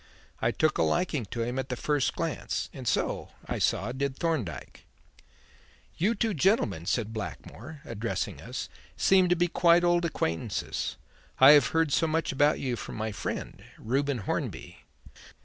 I took a liking to him at the first glance, and so, I saw, did Thorndyke. "You two gentlemen," said Blackmore, addressing us, "seem to be quite old acquaintances. I have heard so much about you from my friend, Reuben Hornby."